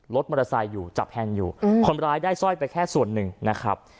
รถมอเตอร์ไซค์อยู่จับแฮนด์อยู่คนร้ายได้สร้อยไปแค่ส่วนหนึ่งนะครับ